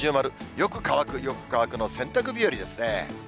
よく乾く、よく乾くの洗濯日和ですね。